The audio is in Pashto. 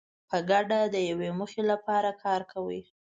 په ګډه د یوې موخې لپاره کار کوي.